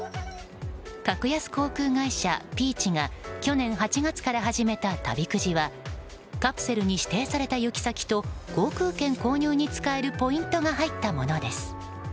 格安航空会社ピーチが去年８月から始めた旅くじはカプセルに指定された行き先と航空券購入に使えるポイントが入ったものです。